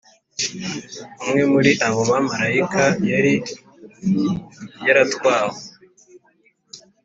umwe muri abo bamarayika yari yaratwawe